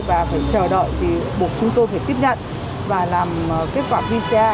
và phải chờ đợi thì buộc chúng tôi phải tiếp nhận và làm kết quả pcr